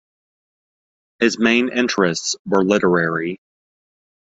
His main interests were literary.